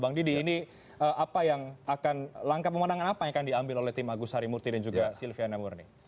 bang didi ini apa yang akan langkah pemenangan apa yang akan diambil oleh tim agus harimurti dan juga silviana murni